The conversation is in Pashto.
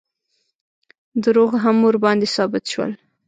دروغ هم ورباندې ثابت شول.